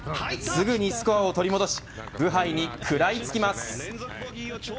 すぐにスコアを取り戻しブハイに食らいつきます。